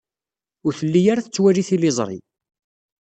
Ur telli ara tettwali tiliẓri.